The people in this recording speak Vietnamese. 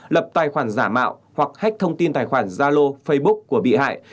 lập tài khoản giả mạo hoặc hách thông tin tài khoản zalo facebook của bị hại